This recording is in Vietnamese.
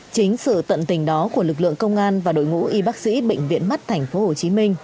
chính sự tận tình đó của lực lượng công an và đội ngũ y bác sĩ bệnh viện mắt tp hcm